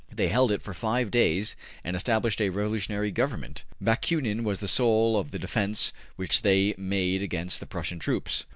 They held it for five days and established a revolutionary government. Bakunin was the soul of the defense which they made against the Prussian troops.